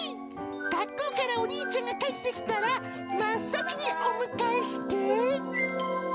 学校からお兄ちゃんが帰ってきたら、真っ先にお迎えして。